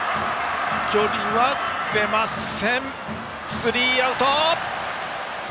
スリーアウト！